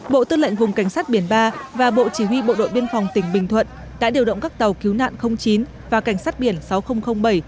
bộ tư lệnh vùng cảnh sát biển ba và bộ chỉ huy bộ đội biên phòng tỉnh bình thuận đã điều động các tàu cứu nạn chín và cảnh sát biển sáu nghìn bảy